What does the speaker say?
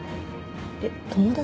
えっ友達？